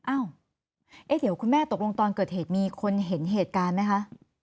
เอ้าเดี๋ยวคุณแม่ตกลงตอนเกิดเหตุมีคนเห็นเหตุการณ์ไหมคะ